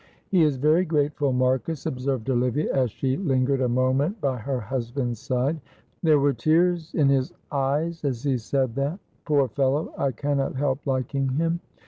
"He is very grateful, Marcus," observed Olivia, as she lingered a moment by her husband's side. "There were tears in his eyes as he said that. Poor fellow, I cannot help liking him.